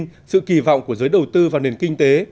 báo về niềm tin sự kỳ vọng của giới đầu tư và nền kinh tế